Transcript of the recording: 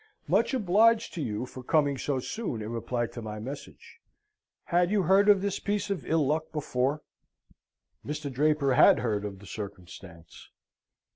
Much obliged to you for coming so soon in reply to my message. Had you heard of this piece of ill luck before?" Mr. Draper had heard of the circumstance.